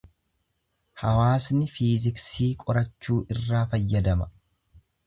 Hawaasni fiiziksii qorachuu irraa fayyadama.